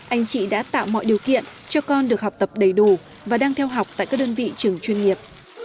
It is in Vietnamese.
anh chị đã tạo mọi điều kiện cho con được học tập đầy đủ và đang theo học tại các đơn vị trường chuyên nghiệp